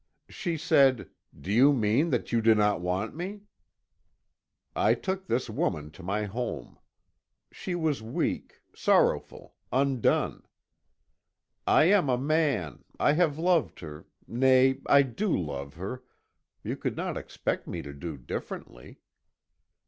She said: 'Do you mean that you do not want me?' I took this woman to my home. She was weak, sorrowful, undone. I am a man I have loved her nay, I do love her you could not expect me to do differently.